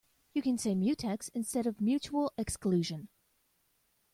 You can say mutex instead of mutual exclusion.